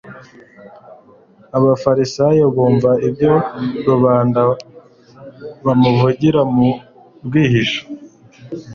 abafarisayo bumva ibyo rubanda bamuvugira mu rwihisho